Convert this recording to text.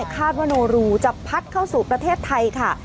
คาดว่าโนรูจะพัดเข้าสู่ประเทศไทยค่ะ